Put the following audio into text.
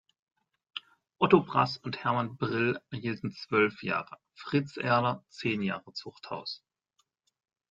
Otto Brass und Hermann Brill erhielten zwölf Jahre, Fritz Erler zehn Jahre Zuchthaus.